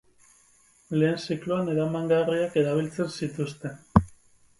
Lehen zikloan eramangarriak erabiltzen zituzten.